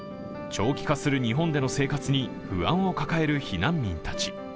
長期化する日本での生活に不安を抱える避難民たち。